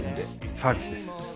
サービスです。